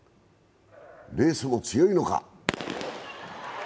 レースも強いのか。